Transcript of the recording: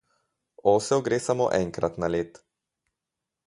Osel gre samo enkrat na led.